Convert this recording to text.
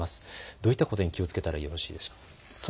どういったことに気をつけたらよろしいでしょうか。